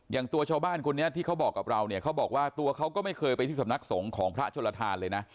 อย่างตัวชาวบ้านคนนี้ที่เขาบอกกับเราเนี่ยเขาบอกว่าตัวเขาก็ไม่เคยไปที่สำนักสงฆ์ของพระชนลทานเลยนะ